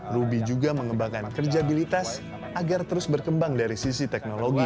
ruby juga mengembangkan kerjabilitas agar terus berkembang dari sisi teknologi